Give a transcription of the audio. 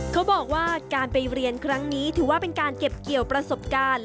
เขาบอกว่าการไปเรียนครั้งนี้ถือว่าเป็นการเก็บเกี่ยวประสบการณ์